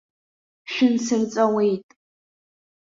Шәынсырҵәауеит!